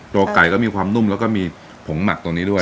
โละไก่ก็ความนุ่มก็มีผมมักตรงนี้ด้วย